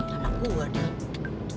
anak gua deh